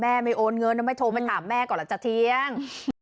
แม่ไม่โอนเงินแล้วไม่โทรไปถามแม่ก่อนละจ๊ะเทียง